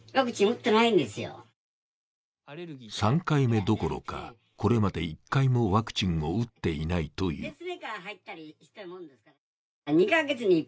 ３回目どころか、これまで１回もワクチンを打っていないという。